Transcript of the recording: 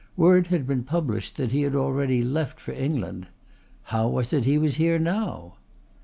Word had been published that he had already left for England. How was it he was here now?